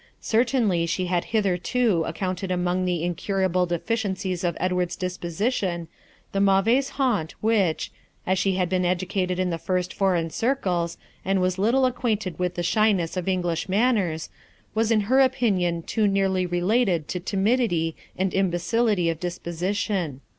Certainly she had hitherto accounted among the incurable deficiencies of Edward's disposition the mauvaise honte which, as she had been educated in the first foreign circles, and was little acquainted with the shyness of English manners, was in her opinion too nearly related to timidity and imbecility of disposition.